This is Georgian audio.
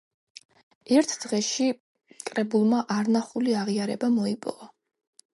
ერთ დღეში კრებულმა არნახული აღიარება მოიპოვა.